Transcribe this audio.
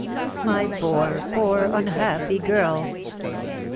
"My poor, poor, unhappy girl!"